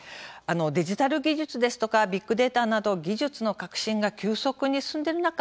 デジタル技術ですとかビッグデータなど技術の革新が急速に進んでいる中